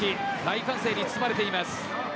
大歓声に包まれています。